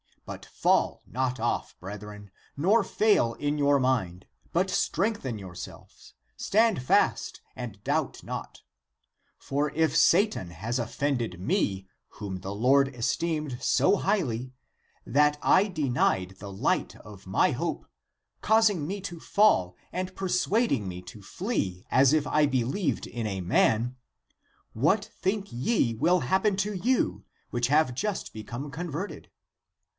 But fall not off, brethren, nor fail in your mind, but strengthen yourselves, stand fast and doubt not. For if Satan has offended me, whom the Lord esteemed so highly, that I denied the light of my hope, causing me to fall and persuading me to flee as if I believed in a man, what think ye (will happen to you), which have just become converted?